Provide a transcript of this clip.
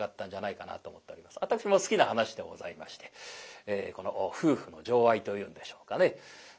私も好きな噺でございましてこの夫婦の情愛というんでしょうかね